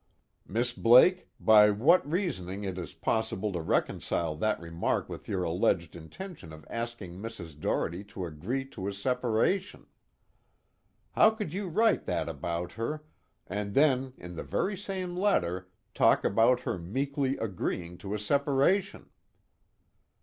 Miss Blake, by what reasoning it is possible to reconcile that remark with your alleged intention of asking Mrs. Doherty to agree to a separation? How could you write that about her, and then in the very same letter talk about her meekly agreeing to a separation?"